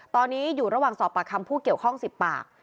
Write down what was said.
ตอนนี้อยู่ระหว่างสอบปากคำผู้เกี่ยวข้อง๑๐ปาก